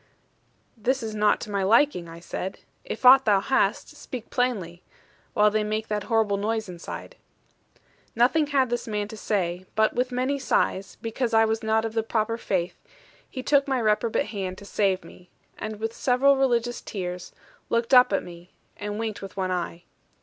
'This is not to my liking,' I said: 'if aught thou hast, speak plainly; while they make that horrible noise inside.' Nothing had this man to say; but with many sighs, because I was not of the proper faith, he took my reprobate hand to save me: and with several religious tears, looked up at me, and winked with one eye.